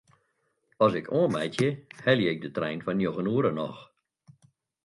As ik oanmeitsje helje ik de trein fan njoggen oere noch.